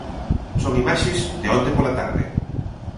Son imaxes de onte pola tarde.